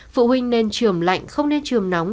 phụ huynh nên trường lạnh không nên trường nóng